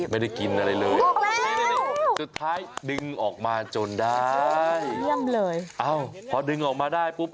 ไม่ได้กินอะไรเลยไม่ได้เลยสุดท้ายดึงออกมาจนได้อ้าวพอดึงออกมาได้ปุ๊บ